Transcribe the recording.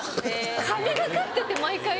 神懸かってて毎回。